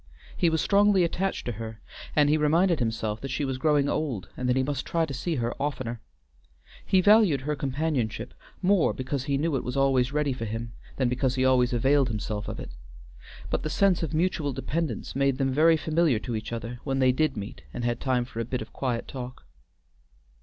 He was strongly attached to her, and he reminded himself that she was growing old and that he must try to see her oftener. He valued her companionship, more because he knew it was always ready for him, than because he always availed himself of it, but the sense of mutual dependence made them very familiar to each other when they did meet and had time for a bit of quiet talk.